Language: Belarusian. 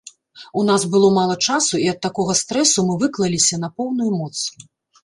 У нас было мала часу і ад такога стрэсу мы выклаліся на поўную моц!